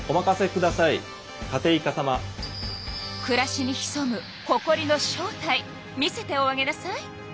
くらしにひそむほこりの正体見せておあげなさい。